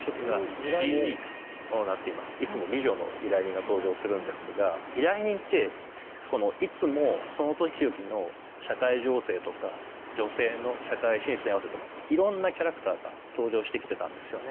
いつも美女の依頼人が登場するんですが依頼人っていつもその時々の。に合わせていろんなキャラクターが登場してきてたんですよね。